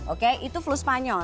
oke itu flu spanyol